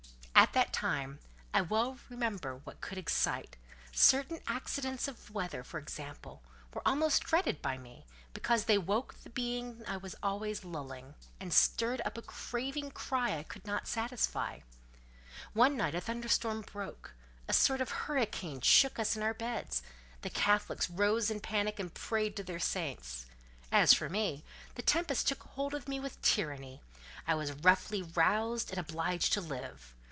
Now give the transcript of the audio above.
At that time, I well remember whatever could excite—certain accidents of the weather, for instance, were almost dreaded by me, because they woke the being I was always lulling, and stirred up a craving cry I could not satisfy. One night a thunder storm broke; a sort of hurricane shook us in our beds: the Catholics rose in panic and prayed to their saints. As for me, the tempest took hold of me with tyranny: I was roughly roused and obliged to live.